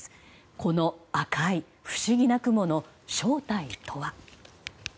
この赤い不思議な雲の正体とは。